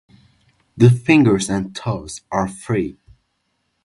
The fingers and toes are free.